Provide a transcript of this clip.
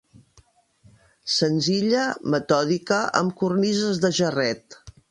Senzilla, metòdica, amb cornises de jarret